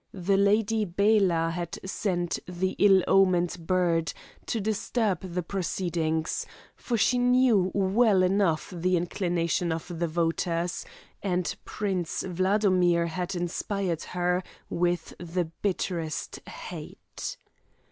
The Lady Bela had sent the ill omened bird to disturb the proceedings, for she knew well enough the inclination of the voters, and Prince Wladomir had inspired her with the bitterest hate.